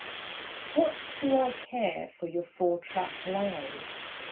What do I care for your four track line?